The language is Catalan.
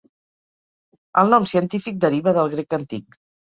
El nom científic deriva del grec antic.